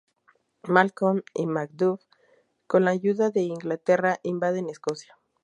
Malcolm y Macduff, con la ayuda de Inglaterra, invaden Escocia.